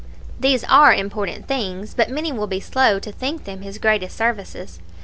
"These are important things, but many will be slow to think them his greatest services.